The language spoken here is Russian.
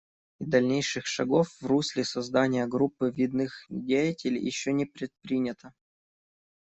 И дальнейших шагов в русле создания группы видных деятелей еще не предпринято.